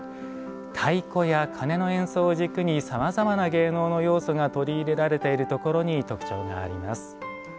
太鼓や鉦の演奏を軸にさまざまな芸能の要素が取り入れられているところに特徴があります。